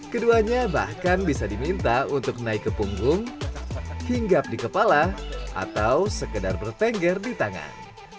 keduanya bahkan bisa diminta untuk naik ke punggung hinggap di kepala atau sekedar bertengger di tangan